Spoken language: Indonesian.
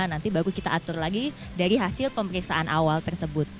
nanti baru kita atur lagi dari hasil pemeriksaan awal tersebut